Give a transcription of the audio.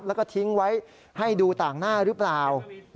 แล้วก็ทิ้งไว้ให้ดูต่างหน้าหรือเปล่า